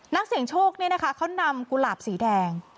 นักเสี่ยงโชคเนี่ยนะคะเขานำกุหลาบสีแดง